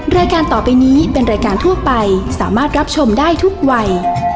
รายการต่อไปนี้เป็นรายการทั่วไปสามารถรับชมได้ทุกวัย